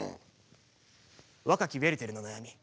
「若きウェルテルの悩み」。